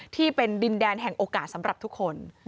ที่เป็นดินแดนแห่งโอกาสสำหรับทุกคน